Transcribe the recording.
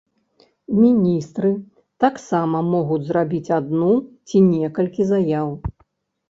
Міністры таксама могуць зрабіць адну ці некалькі заяў.